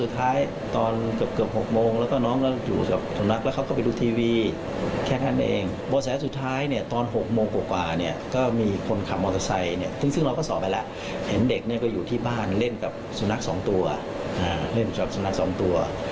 เห็นเด็กเนี่ยก็อยู่ที่บ้านเล่นกับสุนัขสองตัวเล่นกับสุนัขสองตัว